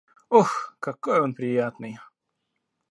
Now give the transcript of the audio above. Ох, какой он приятный